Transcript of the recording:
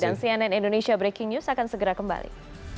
dan cnn indonesia breaking news akan segera kembali